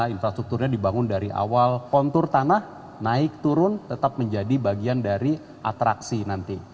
infrastrukturnya dibangun dari awal kontur tanah naik turun tetap menjadi bagian dari atraksi nanti